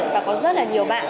và có rất là nhiều bạn